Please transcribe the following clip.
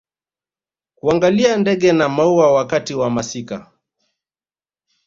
kuangalia ndege na maua wakati wa masika